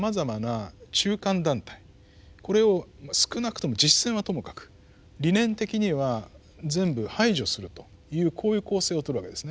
これを少なくとも実践はともかく理念的には全部排除するというこういう構成をとるわけですね。